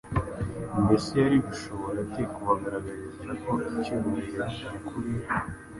Mbese yari gushobora ate kubagaragariza ko icyubahiro nyakuri